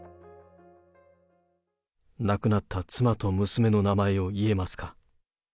亡くなった妻と娘の名前を言えますか？